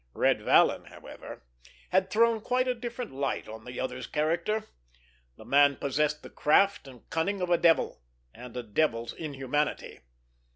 Red Vallon, however, had thrown quite a different light on the other's character. The man possessed the craft and cunning of a devil, and a devil's inhumanity.